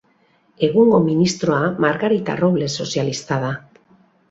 Egungo ministroa Margarita Robles sozialista da.